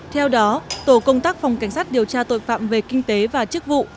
theo đó tổ công tác phòng cảnh sát điều tra tội phạm về kinh tế và chức vụ